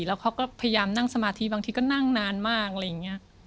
แล้วเขาก็พยายามนั่งสมาธิบางทีก็นั่งนานมากอะไรอย่างนี้